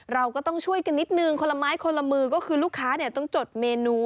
เราก็ต้องช่วยกันนิดนึงคนละไม้คนละมือก็คือลูกค้าต้องจดเมนู